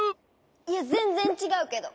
いやぜんぜんちがうけど！